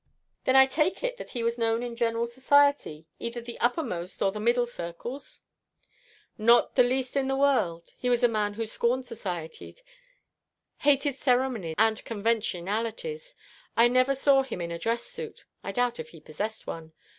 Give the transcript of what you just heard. "Then I take it that he was known in general society, either the uppermost or the middle circles." "Not the least in the world. He was a man who scorned society, hated ceremonies and conventionalities. I never saw him in a dress suit. I doubt if he possessed one.